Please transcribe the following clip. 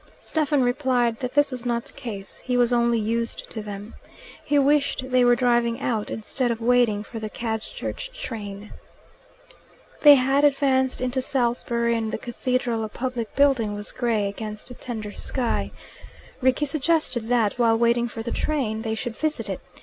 Stephen replied that this was not the case: he was only used to them. He wished they were driving out, instead of waiting for the Cadchurch train. They had advanced into Salisbury, and the cathedral, a public building, was grey against a tender sky. Rickie suggested that, while waiting for the train, they should visit it.